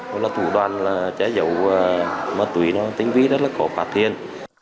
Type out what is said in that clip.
đó là thủ đoàn trái dầu má tuổi tinh vi rất là khó phạt thiên